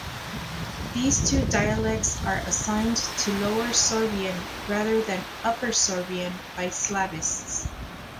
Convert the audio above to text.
These two dialects are assigned to Lower Sorbian rather than Upper Sorbian by Slavists.